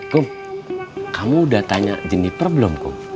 kum kamu udah tanya jeniper belum ku